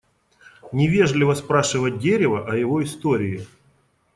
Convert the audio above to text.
Невежливо спрашивать дерево о его истории.